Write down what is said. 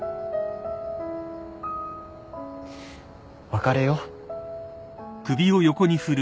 別れよう。